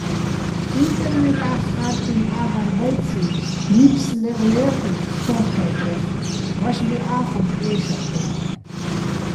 ინტერნეტა́ხ ხა́ტტინო̆ ა́ღარბაჲცრი ნიფსლეღ ლე́რლ'ო̆ ცო́მჴე́თრეხ, ვაშბი ა́ხოდო̆-ე́შარდო.